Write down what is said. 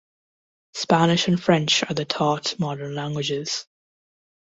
Spanish and French are the taught modern languages.